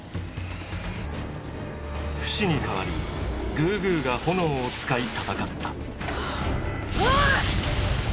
フシに代わりグーグーが炎を使い戦った。